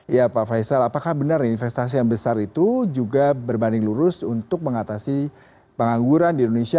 ya pak faisal apakah benar investasi yang besar itu juga berbanding lurus untuk mengatasi pengangguran di indonesia